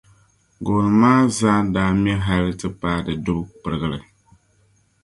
gooni maa zaa daa me hal ti paai di dubu pirigili.